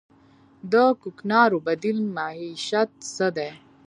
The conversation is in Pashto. د کوکنارو بدیل معیشت څه دی؟